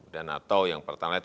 dan atau yang pertelite